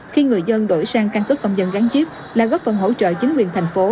khi người dân đổi sang căn cước công dân gắn chip là góp phần hỗ trợ chính quyền thành phố